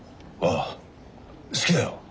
あ好きだよ。